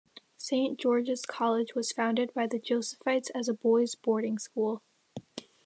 Saint George's College was founded by the Josephites as a boys' boarding school.